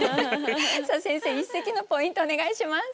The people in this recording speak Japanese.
さあ先生一席のポイントお願いします。